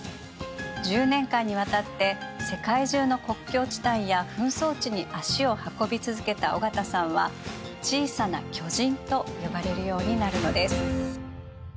１０年間にわたって世界中の国境地帯や紛争地に足を運び続けた緒方さんは小さな巨人と呼ばれるようになるのです。